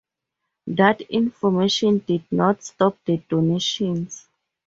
That information did not stop the donations.